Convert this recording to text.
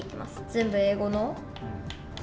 全部英語の。